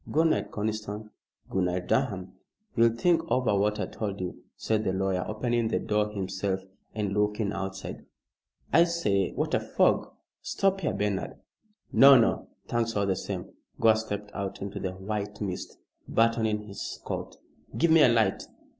"Good night, Conniston. Good night, Durham." "You'll think over what I told you," said the lawyer, opening the door himself and looking outside. "I say, what a fog! Stop here, Bernard." "No! No! Thanks all the same." Gore stepped out into the white mist, buttoning his coat. "Give me a light.